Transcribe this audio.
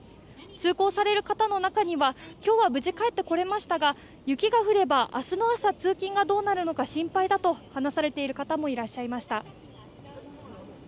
通行される方の中には今日は無事帰ってこれましたが、雪が降れば明日の朝、通勤がどうなるか心配だと話されている方もいらっしゃいました。